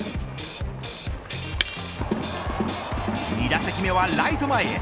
２打席目はライト前へ。